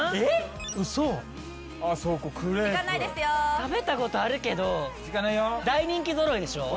食べた事あるけど大人気ぞろいでしょ？